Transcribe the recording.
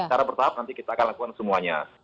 cara pertahap nanti kita akan lakukan semuanya